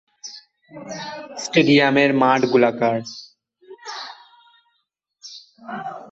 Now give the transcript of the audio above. স্টেডিয়ামের মাঠ গোলাকার।